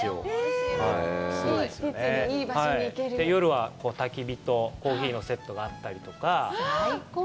夜は、たき火とコーヒーのセットがあったりとか。